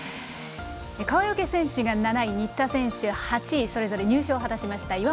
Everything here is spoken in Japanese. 川除選手が７位、新田選手８位でそれぞれ入賞を果たしました。